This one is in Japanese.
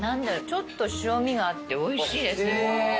ちょっと塩味があっておいしいです。